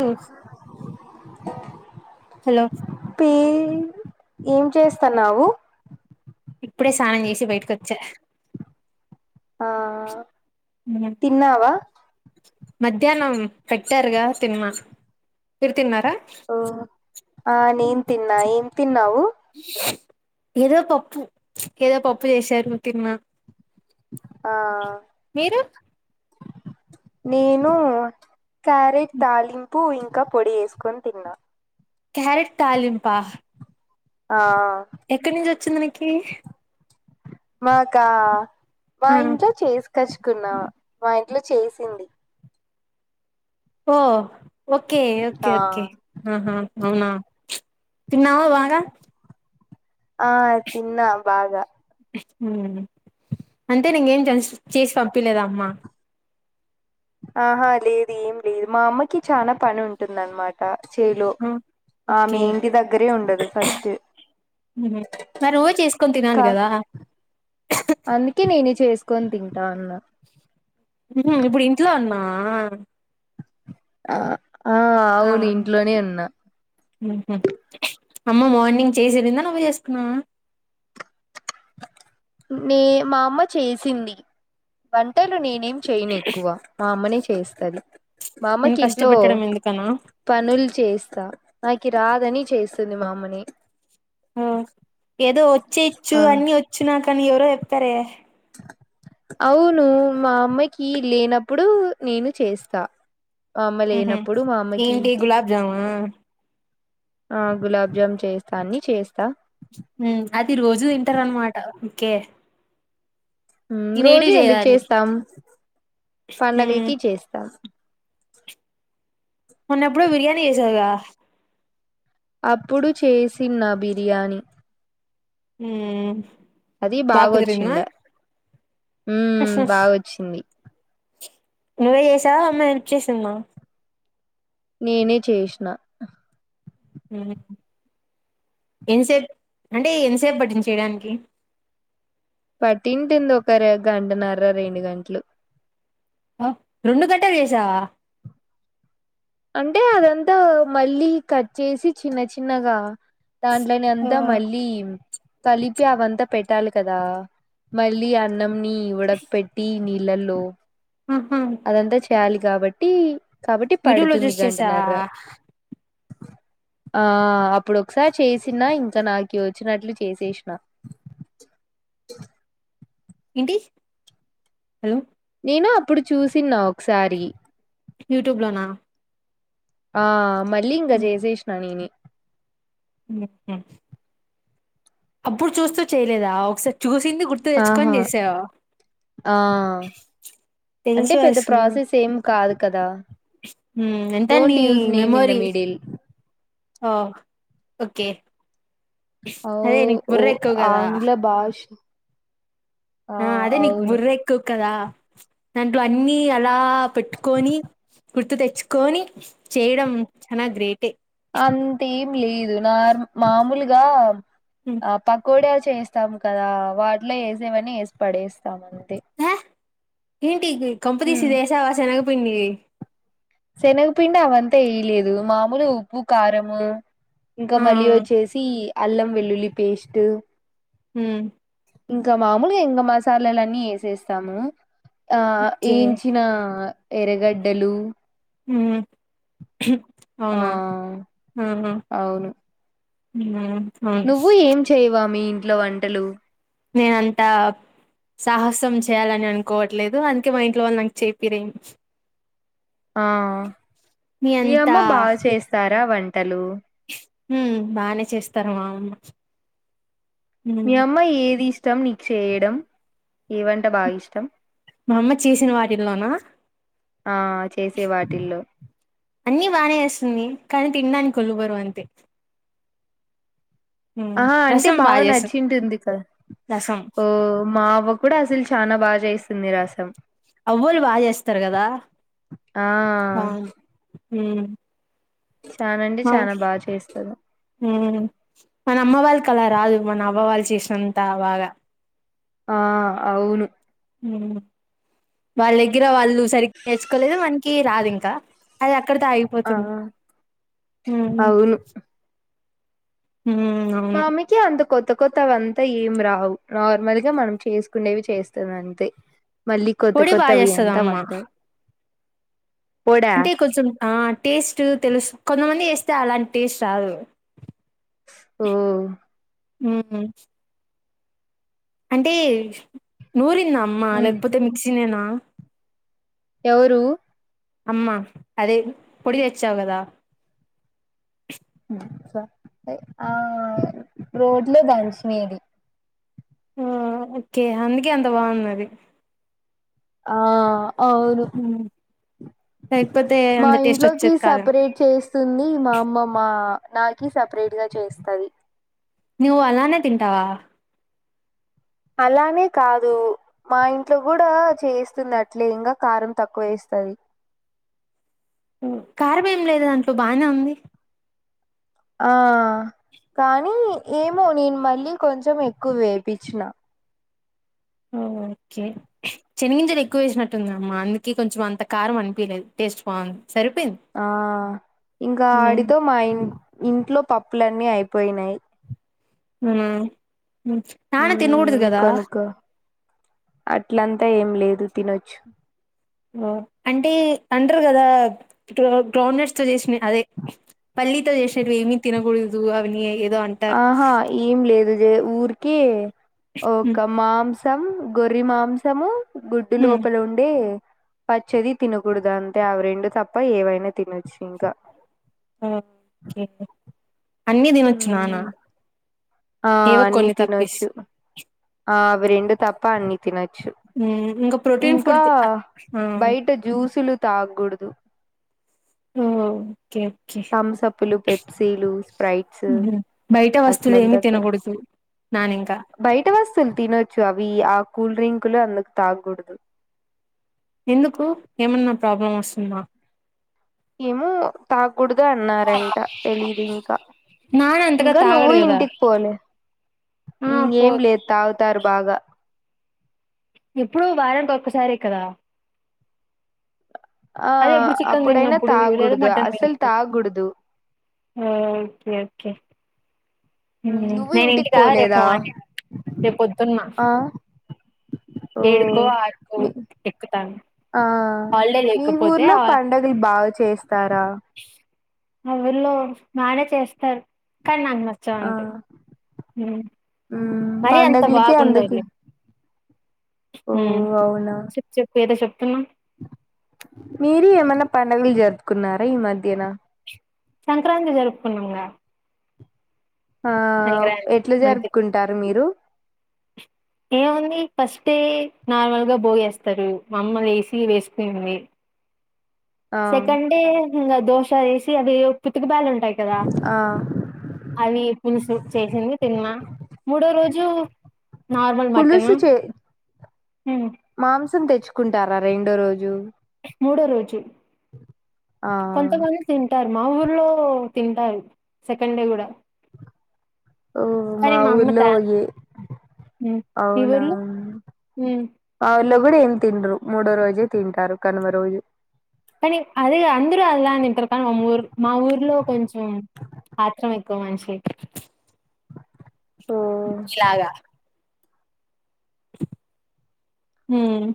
తెల్సు హలో పీ ఏం చేస్తాన్నావు ఇప్పుడే స్నానం చేసి బయటికోచ్చా ఆ తిన్నావా మధ్యాహ్నం పేట్టర్గా తిన్న మీరు తిన్నారా ఓ అ నేన్ తిన్నా ఎమ్ తిన్నావు ఏదో పప్పు ఏదో పప్పు చేశరు తిన్న ఆ మీరు నేను క్యారెట్ తలీం పూ ఇంకా పొడి ఎసుకొని తిన్నా క్యారెట్ తాలింపా ఆ ఎక్క నించ్చి వచ్చిందినీకి మాకా మా ఆ ఇంట్లో చేసి కచ్చుకున్నావా మా ఇం అట్లా చేసింది ఓ ఓకే ఓకే ఆ ఓకే అహా అవునా తిన్నావా బాగా ఆ తిన్నా బాగా ఉ అంతేన ఇంగేం చేస్ చేసి పంపిలేద అమ్మ ఆహా లేదు ఏం లేదు మా అమ్మకి చనా పని ఉంటుంది అన్మట చేలు ఓకే ఆమె ఇంటి దగ్గరే ఉండదు ఫస్ట్ ఉహు. మరి నువ్వే చేసుకొని తినాలి కా కదా కొని తింటా అన్న ఇప్పుడు ఇంట్లో ఉన్నావా ఆహ్ ఆహ్ ఆ అవును ఇంట్లోనే ఉన్నా. మ్మ్ హు అమ్మ మార్నింగ్ చేసిలెల్లిందా. నువ్వే చేసున్నావా. నే మా అమ్మ చేసింది. వంటలు నేన్ ఏం చేయను ఎక్కువ మా అమ్మనే చే చేస్తది మా నేను అమ్మకి ఇంట్లో కష్టపెట్టడం ఎందుకనా పనుల్ చేస్తా. నాకి రాదని చేస్తుంది. మా అమ్మనే ఆ ఏదో వచ్చేచ్చు. ఆ అన్ని వచ్చు నాక్ కానీ ఎవరో ఎప్పారే. అవును మా అమ్మకి లేనప్పుడు నేను చేస్తా. మా అమ్మ ఉహ్ హు లేనప్పుడు మా అమ్మకి ఏంటి గులాబ్జామా. ఆ గులాబ్జామ్ చేస్తా అన్ని చేస్తా. హ్మ్ అది రోజు తింటారు అన్నమాట. ఓకే ఉమ్ రోజూ తినేటివి ఎందుకు చేయాలి చేస్తాం. పండగల్ ఉమ్ కి చేస్తాం. మొన్న ఎప్పుడో బిర్యానీ చేసావ్ గా అప్పుడు చేసిన బిర్యానీ హ్మ్ అది బాగొచ్చిండ హ్మ్ బాగొచ్చింది. నువ్వే చేసావా. అమ్మా హెల్ప్ చేసింద. నేనే చేస్న ఉహ్ హు ఎంతసేప్ అంటే ఎంతసేపు పట్టిన్ది చేయడానికి. పట్టింటుంది. ఒకర్ గంటన్నర రెండు గంట్లు ఆ రెండు గంట్టల్ వే. అంటే అదంతా మళ్ళీ కట్ చేసి చిన్న చిన్నగా దాంట్లోని అంతా మళ్ళీ కలిపి అవంతా పెట్టాలి కదా. మళ్ళీ అన్నం. ని ఉడక్ పెట్టి నిల్ లల్లో ఆహా అదంతా చేయాలి గాబట్టి యూట్యూబ్ లో చూస్ చేసావా. ఆ అప్పుడు ఒకసారి చేసినా. ఇంకా నాకి వచ్చినట్లు చేసేస్న. ఏంటి హలో నేను అప్పుడు చూసిన ఒక్ యూట్యూబ్ లోనా ఆ మళ్ళీ ఇంక చేశెన్న నినే ఉ అప్పుడు చూస్తూ చెయలేదా ఒకసారి చూస్ ఆహా ఆ అంటే తెలుసు పెద్ద ప్రాసెస్ ఏం కాదు. కదా హ్మ్ ఎంత డోంట్ నీ use name in the memory middle ఆ ఓకే అదే ఆవ్ నీకు ఒ బుర్ర ఎక్కువ కదా ఆంగ్ల భాష్ ఆ అదే నీ బుర్రెక్ కదా దాంట్లో అన్ని అ రా పెట్టుకొని గుర్తు తెచ్చుకొని చేయడం చానా గ్రేటే అంతేం లేదు నార్ మామూలుగా ఆ పకోడాచ్ చేస్తాం కదా వాటిలో యెసేవన్ని యెసి పడేస్తాము. తే ఏ కొంపతీసి ఇది యెశావా శనగ పిండిగెయ్ శనగపిండి అవంతా ఏయలేదు మామూలుగా ఉప్పు, కారము ఇంకా ఆ మళ్ళీ వచ్చేసి అల్లం వెల్లుల్లి పేస్టు హ్మ్ ఇంకా మామూలుగా ఇంక మసాలాలన్నీ యెసేస్తాము. ఆ ఓకే ఏంచినా ఎరగడ్డలు హ్మ్ ఆ అవునా ఆహా అవును ఉమ్మా నువ్వు ఏం చేయవా మిన్ ఇంట్లో వంటలు నేనంతా సాహసం చేయాలని అనుకోవట్లేదు అందుకే మా ఇంట్లో వాళ్ళు నాకు చేపిరేమ్ ఆ మీ అంతా అమ్మ బాగా చేస్తారా వం తెలుగు హ్మ్ బానే చేస్తారు మా అమ్మ మీ హ్మ్ అమ్మ ఏదిస్ ష్టం నీక్ చేయడం ఏవంట బా ఇష్టం? మా అమ్మ చేసిన వాటిల్లోనా? ఆ చేసే వాటిల్లో అన్ని బానె చేస్తుంది కానీ తిన్డానికి ఒళ్ళు బరువు అంతె ఆహా అంటే రసం బాగా చేస్తుంది నచ్చింటుంది కద! రసం ఓ మా అవ్వ కూడా అస్సలు చాలా బా చేస్తుంది రస్ తం అవ్వోళ్ళు బా చేస్తారు కదా! ఆ మ్మ్ చానా అంటే చానా మౌశ్ బాగా చేస్తది మ్మ్ మన అమ్మ వాళ్ళక్ అల రాదు. మన అవ్వవాళ్ళు చేసినంత బాగా ఆ అవును మ్మ్ వాళ్ దెగ్గిర వాళ్ ల్లు సరిగ్ నేర్చుకోలేదు వన్ కి రాదింక అది అక్ క్కడతో ఆ ఆగిపోతుంది. హ్మ్ అవును మామికి అంత కొత్త కొత్తవంతా ఏం రావు నార్మల్గా మనం చేసుకుండేవి చేస్తదంతే మళ్ళీ కొత్త పొడి బాగా కొత్తవి చేస్తది అంతా అమ్మ వంట అంటే కొంచెం ఆ టేస్టు తెలుసు కొంతమంది చేస్తే అలాంటి టేస్ట్ రాదు. ఓ మ్మ్ అంటే నూరి తుంద అమ్మా లేకపోతే మిక్సినేనా ఎవరు అమ్మా అదే పొడి తెచ్చావు గదా! ఆ రోట్లో దంచినేది ఓ ఓకె అందుకే అంత బాగున్నది. ఆ అవును హ్మ్ లేకపోతే మా అంత టేస్ట్ ఇంట్లోకి వచ్చేది కాదు. సపరేట్ చేస్తుంది మా అమ్మ మా నాకి సపరేట్ గ చేస్తది. నువ్వు అలానే తింటావా? అలానే కాదు మా ఇంట్లో కూడా చేస్తుంది అట్లే ఇంగా కారం తక్కువేస్తది. కారమేం లేదే దాంట్లో బానే ఉంది. ఆ కానీ ఏమో నేను మళ్ళీ కొంచెం ఎక్కువ వేపిచ్చిన. ఓకె చెనగింజలు ఎక్కువ వేసినట్టుంది అమ్మా అందుకె కొంచెం అంత కారం అనిపిలేదు టేస్ట్ బాంది. ఆ ఇంక హ్మ్ ఆడితో మా ఇన్ ఇంట్లో పప్పులన్నీ అయిపోయినాయి. హ నాణ తిన కూడదు ఉమ్ కదా అంత ఏం లేదు తినొచ్చు ఓ అంటే అంటరు కదా గ్రౌండ్నట్స్ తో చేసిన అదే పల్లితో చేసిటివి ఏమి తినకూడదు అవని ఏదో అంటారు ఆహా ఏం లేదు మ్ ఊరికే హ్మ్. ఓకమామ్ తం గొర్రి మాంసము గుడ్డు హ్మ్. లోపల ఉండే పచ్చిది తినకూడదు అంటే అవి రెండు తప్ప ఏవైనా తినొచ్చు ఇంకా ఓకే అన్ని తినొచ్చు నాన్న ఆ ఏవో అన్ని కొన్ని తప్పిస్ తినొచ్చు ఆ అవి రెండు తప్ప అన్ని తినొచ్చు ఇంకా ప్రోటీన్ ఇంకా ఫుడ్ తి అ ఆ! బయట జ్యూసులు తాకూడదు మ్ థమ్సప్లు పెప్సీలు స్ప్రైట్స్ హుహు. బయట వస్తువులు అట్లంత ఏమి త తినకూడదు నాన్న ఇంకా బయట వస్తులు తినొచ్చు అవి ఆ కూల్ డ్రింకులు అందుకు తాగకూడదు ఎందుకు ఏమన్నా ప్రాబ్లం వస్తుందా ఏమో తాగ్ గుడుగా అన్నారంట తెలీదు ఇంకా, నాన్న అంతగా ఇంకా నువ్వు తాగడు కదా ఇంటికి పోలే ఆ పో ఏం లేదు తాగుతారు బాగా ఎప్పుడు వారనికి ఒక్కసారే కదా ఆ అదే ఎప్పుడు చికెన్ అప్పుడైనా తిన్నప్పుడు లేదా తాకూడదు మటన్ అసలు తిన్నప్పుడు తాగుడదు ఓకే ఓకే నేను ఇంటికి ఇంటికా రేపు పోలేదా రేపు పొద్దునా ఆ ఓ మీ ఎక్కుతాను ఆ హాలిడే మీ లేకపోతే ఊర్లో పండగలు బాగా చేస్తారా అవిళు మనే చేస్ తర్ కర్ణంగ్ నర్చవంతె మ్ మ్ పండగలికి అందుకి మ్ చెప్పు చెప్పు ఎదో చెప్ మీర ఏమన్నా పండగలు జరుపుకున్నారా ఈ మధ్యన సంక్రాంతి జరుపుకున్నాంగా ఆ సంక్రాంతి ఎట్లా అంతే జరుపుకుంటారు మీరు ఏముంది ఫస్ట్ నార్మల్గా బోగేస్తారు మమ్మల్ని ఏసి వేస్త ఉంది ఆ సెకండ్ డే ఉమ్ ఆ దోశ వేసి అవి పితకబరిన కటదా ఆ అవి పులుసు చేసింది తిన్నమా మూడో రోజు నార్మల్ మటన్ మా. పులుసు చే ఉమ్. మాంసం తెచ్చుకుంటారా రెండో రోజు. మూడో రోజు. ఆ కొంతమంది తిన్. తింటారు మా ఊర్లో తింటారు సెకండ్ డే కూడా. ఓ కానీ మా అమ్మ త ఊర్లో ఏ హ్మ్ మీ అవున ఊర్లో హ్మ్ మా ఊర్లో. కూడా ఏం తిండ్రు. మూడో రోజు తింటారు కనుమ రోజు. కానీ అదే అందరు అలానే తింటారు కానీ మా ఊరు మా ఊర్లో కొంచెం ఆత్రం ఎక్కువ మనిషికి. ఓ శ్లాగా. ఉమ్.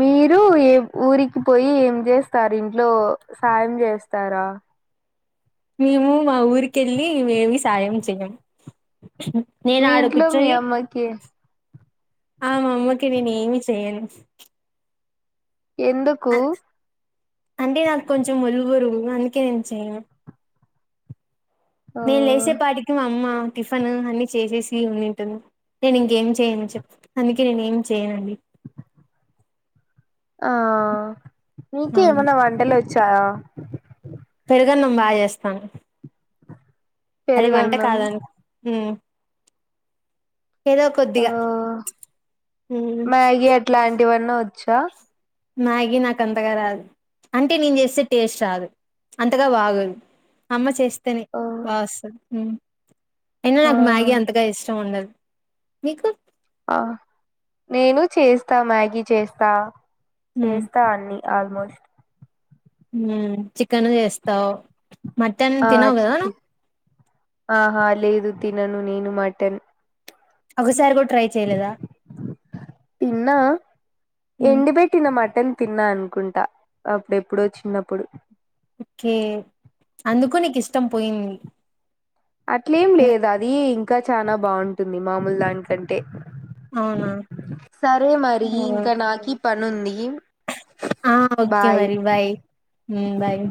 మీరు ఏ ఊరికి పోయి ఏం చేస్తారు. ఇంట్లో సాయం చేస్తారా. మేము మా ఊరికేళ్ళి మేమి సాయం చేయమ్. మీ ఇంట్లో మీ అమ్మకి. ఆహ్ మా అమ్మకి నేను ఏమి చేయను. ఎందుకు అంటే నాకు కొంచెం ఒళ్ళు బరువు అందుకే నేను చెయను. ఓ నేను లేసేపాటికి మా అమ్మా. టిఫిన్ అన్ని చేసేసి ఉని ఉంటుంది. నేను ఇంకేం చేయను చెప్ అందుకే నేను ఏం చేయనండి. ఆహ్. అవును మీకేమన్నా వంటలు వచ్చ్. చాయ. పెరుగన్నం బాగా చేస్తాను. అది వంట పెరుగన్నం కాదండి. ఉమ్ ఏదో ఓ కొద్దిగా ఉమ్. ఎవన్నా వచ్చా. మ్యాగీ నాకు అంతగా రాదు. అంటే నేను చేస్తే టేస్ట్ రాదు. అంతగా బాగోదు అమ్మ చేస్తే. తనే ఓ బాగోస్తది. ఉమ్ అయినా ఆ నాకు మ్యాగీ అంతగా ఇష్టం ఉండదు. మీకు. ఆహ్ నేను చేస్తా మ్యాగీ చేస్తా. ఉమ్ చేస్తా అన్ని. ఆల్మోస్ట్. ఉమ్ చికెన్ చేస్తావ్ ఆ చికె ఆహా లేదు తినను నేను మటన్ ఓగా సార్ కూడా ట్రై చేయలేదా తిన్న ఉమ్ ఎండి పెటిన్న మటన్ తిన్నా అనుకుంటా అప్పుడు ఎప్పుడో చిన్నప్పుడు ఓకే అందుకు నీకు ఇష్టం పోయింది అట్లేం లేదు అది ఇం ఇంకా చానా బాగుంటుంది మామూలు దానికంటే అవునా సరే మరి ఇంకా నాకి పనుంది ఆ ఓకే మరి బాయ్ ఉమ్ బాయ్